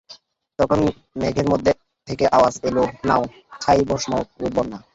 তখন মেঘের মধ্য থেকে আওয়াজ এল, নাও, ছাই-ভস্ম ও বন্যা।